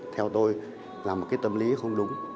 theo tôi là một cái tâm lý không đúng